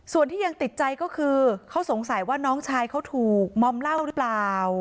ส่วนที่ยังติดใจก็คือเขาสงสัยว่าน้องชายเขาถูกมอมเหล้าหรือเปล่า